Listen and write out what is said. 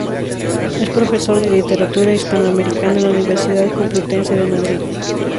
Es profesor de literatura hispanoamericana en la Universidad Complutense de Madrid.